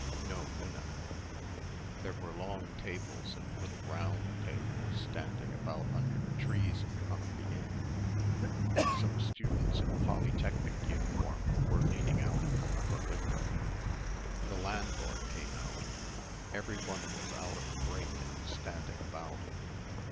... no Minna. There were long tables and little round tables standing about under the trees in front of the inn. Some students in Polytechnik uniform were leaning out of an upper window. The landlord came out. Everyone was out of the brake and standing about.